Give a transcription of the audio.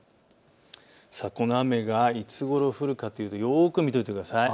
この雨がいつごろ降るかというとよく見ておいてください。